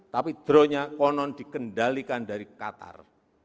tapi dronenya konon dikendalikan dari qatar